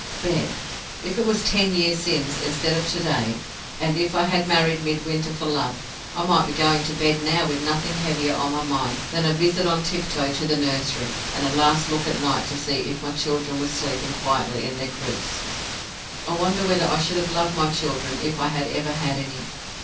"Bed? If it was ten years since, instead of to day; and if I had married Midwinter for love, I might be going to bed now with nothing heavier on my mind than a visit on tiptoe to the nursery, and a last look at night to see if my children were sleeping quietly in their cribs. I wonder whether I should have loved my children if I had ever had any?